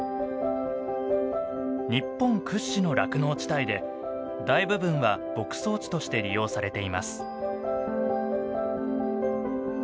日本屈指の酪農地帯で大部分は牧草地として利用されています。